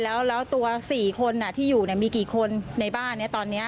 แล้วตัว๔คนที่อยู่มีกี่คนในบ้านตอนนี้